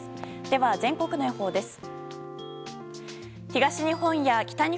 では、全国の予報です。